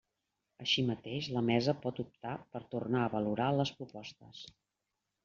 Així mateix la Mesa pot optar per tornar a valorar les propostes.